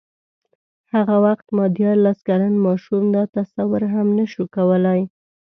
هغه وخت ما دیارلس کلن ماشوم دا تصور هم نه شو کولای.